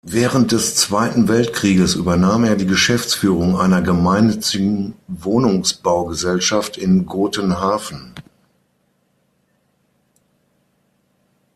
Während des Zweiten Weltkrieges übernahm er die Geschäftsführung einer gemeinnützigen Wohnungsbaugesellschaft in Gotenhafen.